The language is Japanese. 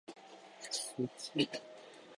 好き